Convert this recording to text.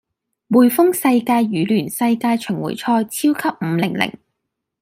滙豐世界羽聯世界巡迴賽超級五零零